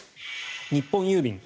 日本郵便